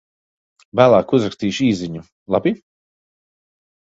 Vēlāk uzrakstīšu īsziņu, labi?